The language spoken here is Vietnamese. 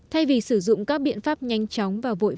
thay vì sử dụng các biện pháp nhanh chóng và vội